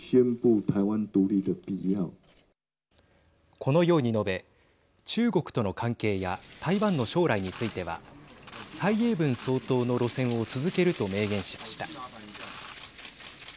このように述べ中国との関係や台湾の将来については蔡英文総統の路線を続けると明言しました。